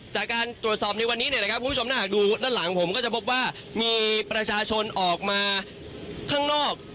จากการตรวจสอบในวันนี้นะครับคุณผู้ชมถ้าหากดูด้านหลังผมก็จะพบว่ามีประชาชนออกมาข้างนอก